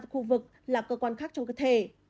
khu vực là cơ quan khác trong cơ thể